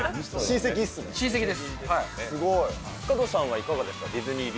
加藤さんはいかがですか。